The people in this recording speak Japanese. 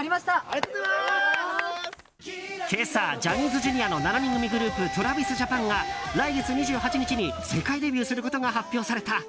今朝、ジャニーズＪｒ．の７人組グループＴｒａｖｉｓＪａｐａｎが来月２８日に世界デビューすることが発表された。